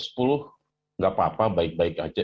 tidak apa apa baik baik aja